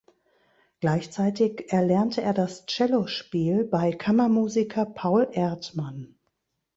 Gleichzeitig erlernte er das Cello-Spiel bei Kammermusiker Paul Erdmann.